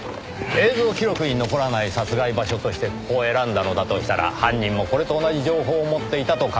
映像記録に残らない殺害場所としてここを選んだのだとしたら犯人もこれと同じ情報を持っていたと考えられます。